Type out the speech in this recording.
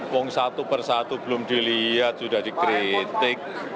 pung satu persatu belum dilihat sudah dikritik